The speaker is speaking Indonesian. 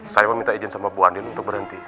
saya meminta izin sama bu andin untuk berhenti